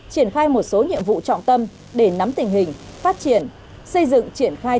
triển khai một số nhiệm vụ trọng tâm để nắm tình hình phát triển xây dựng triển khai